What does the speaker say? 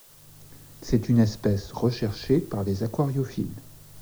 C'est une espèce recherchée par les aquariophiles.